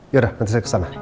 yaudah nanti saya kesana